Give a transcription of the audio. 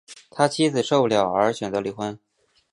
他妻子受不了而选择离婚